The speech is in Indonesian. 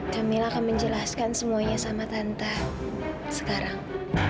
kamila akan menjelaskan semuanya sama tante sekarang